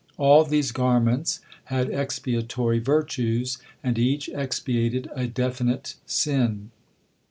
All these garments had expiatory virtues, and each expiated a definite sin.